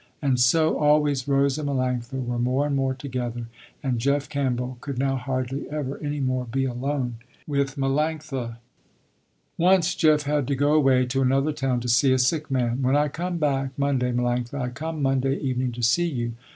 And so always Rose and Melanctha were more and more together, and Jeff Campbell could now hardly ever any more be alone with Melanctha. Once Jeff had to go away to another town to see a sick man. "When I come back Monday Melanctha, I come Monday evening to see you.